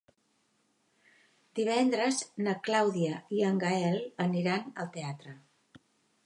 Divendres na Clàudia i en Gaël aniran al teatre.